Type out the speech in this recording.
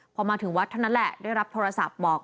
พอมาถึงวัดเท่านั้นแหละได้รับโทรศัพท์บอก